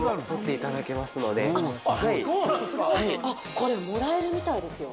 これ、もらえるみたいですよ。